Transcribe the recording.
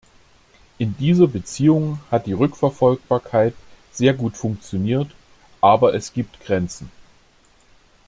In dieser Beziehung hat die Rückverfolgbarkeit sehr gut funktioniert, aber es gibt Grenzen.